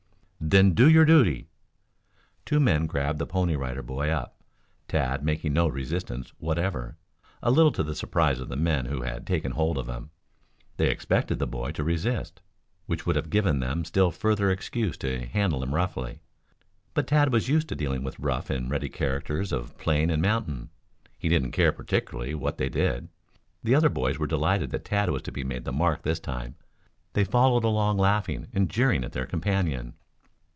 "Then do your duty!" Two men grabbed the Pony Rider boy up, Tad making no resistance whatever, a little to the surprise of the men who had taken hold of him. They expected the boy to resist, which would have given them still further excuse to handle him roughly. But Tad was used to dealing with the rough and ready characters of plain and mountain. He didn't care particularly what they did. The other boys were delighted that Tad was to be made the mark this time. They followed along laughing and jeering at their companion.